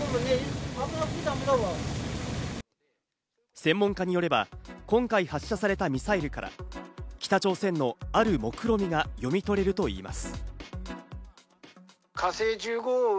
専門家によれば、今回発射されたミサイルから北朝鮮のある目論見が読み取れるといいます。